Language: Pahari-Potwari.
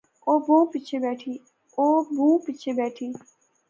او بہوں پیچھے بیٹھی